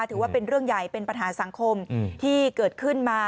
ถือว่าเป็นเรื่องใหญ่เป็นปัญหาสังคมที่เกิดขึ้นมา